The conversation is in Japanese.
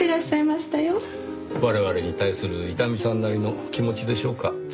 我々に対する伊丹さんなりの気持ちでしょうか。